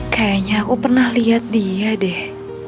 kayaknya aku pernah lihat dia deh